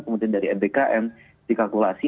kemudian dari mbkm dikalkulasi